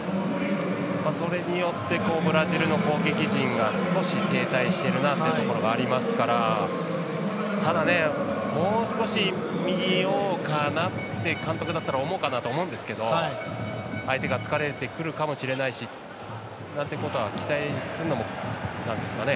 それによってブラジルの攻撃陣が少し停滞しているなというところがありますからただね、もう少しいこうかなと監督だったら思うかと思うんですけど相手が疲れてくるかもしれないしなんてことは期待するのもなんですかね。